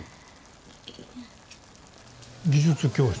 技術教室？